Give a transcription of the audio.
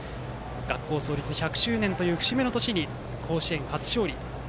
学校創立１００周年という節目の年に甲子園初勝利。